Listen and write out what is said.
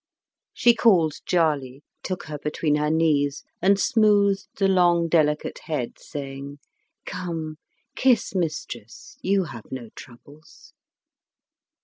She called Djali, took her between her knees, and smoothed the long delicate head, saying, "Come, kiss mistress; you have no troubles."